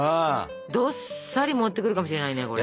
どっさり持ってくるかもしれないねこれ。